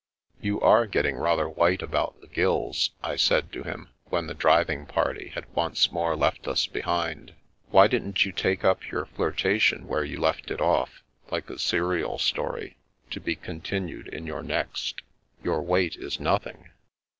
" You are getting rather white about the gills," I said to him when the driving party had once more left us behind. "Why didn't you take up your flirtation where you left it off, like a serial story to be 'continued in your next'? Your weight is nothing."